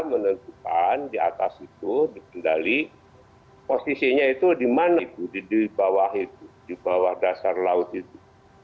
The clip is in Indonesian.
menentukan di atas itu dikendali posisinya itu dimana itu dibawah itu dibawah dasar laut itu